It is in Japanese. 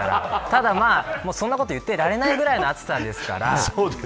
ただそんなこと言っていられないぐらいの暑さですから。